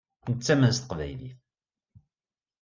Nettamen s teqbaylit.